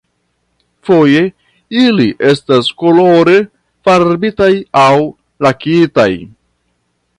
Foje ili estas kolore farbitaj aŭ lakitaj.